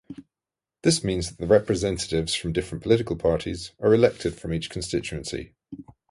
This means that representatives from different political parties, are elected from each constituency.